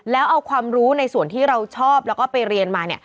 แล้วเอาความรู้ในส่วนที่เราชอบแล้วก็ไปเรียนมาเนี่ย